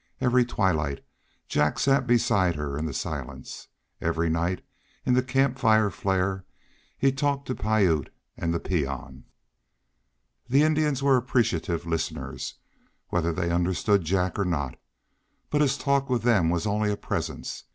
Every twilight Jack sat beside her in the silence; every night, in the camp fire flare, he talked to Piute and the peon. The Indians were appreciative listeners, whether they understood Jack or not, but his talk with them was only a presence.